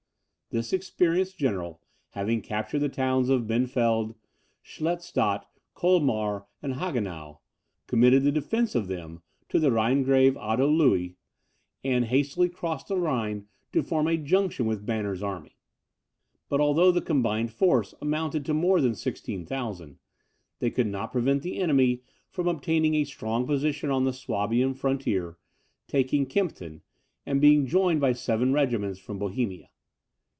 This experienced general having captured the towns of Benfeld, Schlettstadt, Colmar, and Hagenau, committed the defence of them to the Rhinegrave Otto Louis, and hastily crossed the Rhine to form a junction with Banner's army. But although the combined force amounted to more than 16,000, they could not prevent the enemy from obtaining a strong position on the Swabian frontier, taking Kempten, and being joined by seven regiments from Bohemia.